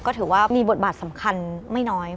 ก็ถือว่ามีบทบาทสำคัญไม่น้อย